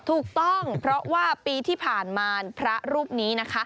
ถูกต้องเพราะว่าปีที่ผ่านมาพระรูปนี้นะคะ